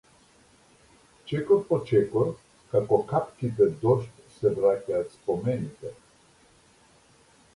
Чекот по чекор како капките дожд се враќаат спомените.